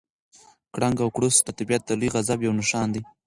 کړنګ او کړوس د طبیعت د لوی غضب یو نښان دی.